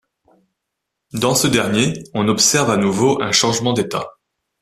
Dans ce dernier, on observe à nouveau un changement d’état.